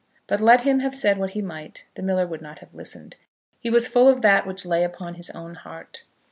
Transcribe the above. But let him have said what he might, the miller would not have listened. He was full of that which lay upon his own heart.